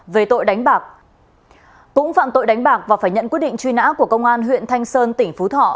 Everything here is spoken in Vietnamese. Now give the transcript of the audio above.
về tội đánh bạc cũng phạm tội đánh bạc và phải nhận quyết định truy nã của công an huyện thanh sơn tỉnh phú thọ